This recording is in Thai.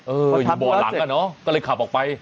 อยู่เบาะหลังอ่ะเนอะก็เลยขับออกไป